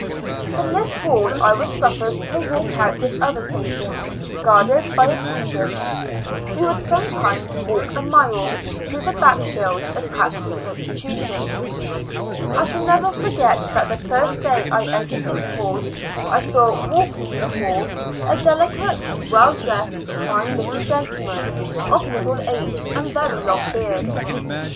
From this hall I was suffered to walk out with other patients, guarded by attend ants. We would sometimes walk a mile through the back fields attached to the institution. I shall never forget that the first day I entered this hall, I saw, walking the hall, a delicate, well dressed, fine looking gentleman, of middle age and very long beard.